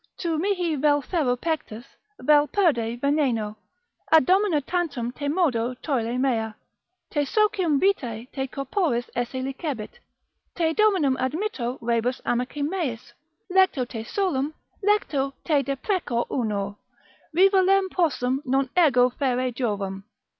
Tu mihi vel ferro pectus, vel perde veneno, A domina tantum te modo tolle mea: Te socium vitae te corporis esse licebit, Te dominum admitto rebus amice meis. Lecto te solum, lecto te deprecor uno, Rivalem possum non ego ferre Jovem.